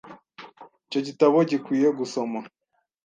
Icyo gitabo gikwiye gusoma .